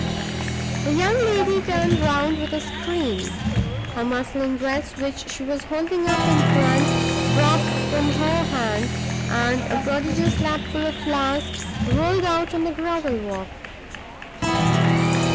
The young lady turned round, with a scream; her muslin dress, which she was holding up in front, dropped from her hand, and a prodigious lapful of flowers rolled out on the gravel walk.